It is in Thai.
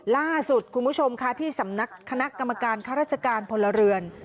ล่าสุดคุณผู้ชมค่ะที่สำนักคณะกรรมการข้าราชการพลเรือน